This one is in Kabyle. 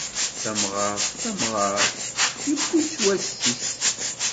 Tamɣart d tamɣart, yewwi-tt wass-is.